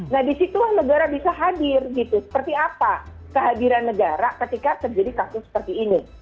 nah disitulah negara bisa hadir gitu seperti apa kehadiran negara ketika terjadi kasus seperti ini